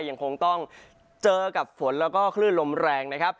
ยังคงต้องเจอกับฝนแล้วก็คลื่นลมแรงนะครับ